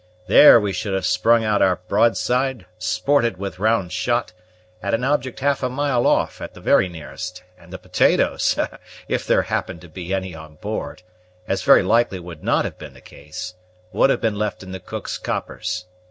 There we should have sprung our broadside, sported with round shot, at an object half a mile off, at the very nearest; and the potatoes, if there happened to be any on board, as very likely would not have been the case, would have been left in the cook's coppers.